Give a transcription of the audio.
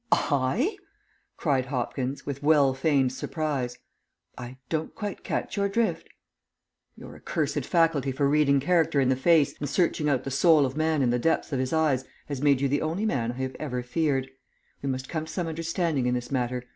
"I?" cried Hopkins, with well feigned surprise. "I don't quite catch your drift." "Your accursed faculty for reading character in the face, and searching out the soul of man in the depths of his eyes has made you the only man I have ever feared. We must come to some understanding in this matter.